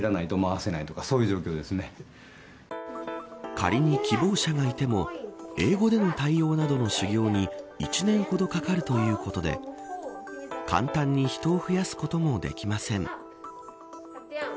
仮に、希望者がいても英語などでの対応などの修行に１年ほどかかるということで簡単に人を増やすこともできません。